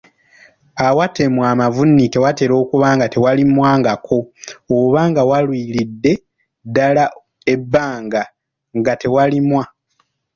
Awatemwa amavuunike watera kuba nga tewalimwangako oba nga walwiridde ddala ebbanga nga tewalimwa.